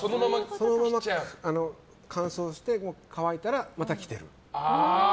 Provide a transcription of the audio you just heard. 乾燥して、乾いたらまた着てる。